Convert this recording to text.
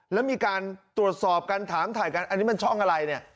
แล้วมีการตรวจสอบกันถามถ่ายกันอันนี้มันช่องอะไรเนี่ย